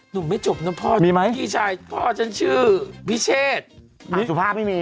หนุ่มไม่จบนะพ่อพี่ชายพ่อฉันชื่อพี่เชษฐ์สุภาพไม่มี